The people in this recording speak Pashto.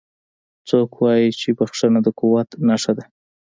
څوک وایي چې بښنه د قوت نښه ده